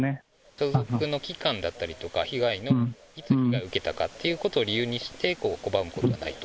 所属の期間だったりとか、被害の、いつ被害を受けたかということを理由にして、拒むことはないと。